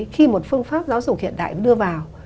khi một phương pháp giáo dục hiện đại đưa vào